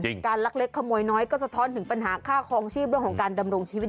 การลักเล็กขโมยน้อยก็สะท้อนถึงปัญหาค่าคลองชีพเรื่องของการดำรงชีวิต